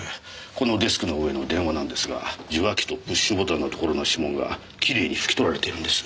このデスクの上の電話なんですが受話器とプッシュボタンのところの指紋がきれいに拭き取られているんです。